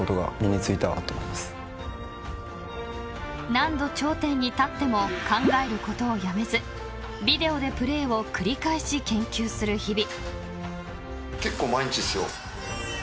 ［何度頂点に立っても考えることをやめずビデオでプレーを繰り返し研究する日々］